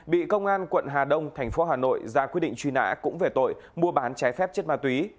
bị công an tp hà nội ra quyết định truy nã cũng về tội mua bán trái phép chất ma túy